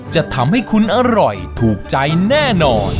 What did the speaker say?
จะทำให้คุณอร่อยถูกใจแน่นอน